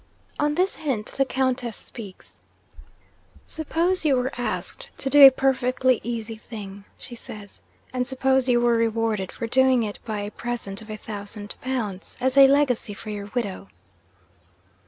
'On this hint, the Countess speaks. "Suppose you were asked to do a perfectly easy thing," she says; "and suppose you were rewarded for doing it by a present of a thousand pounds, as a legacy for your widow?"